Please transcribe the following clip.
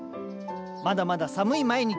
まだまだ寒い毎日。